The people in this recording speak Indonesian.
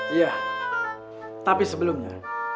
iya tapi sebelumnya